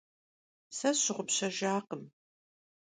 Se sşığupşejjakhım.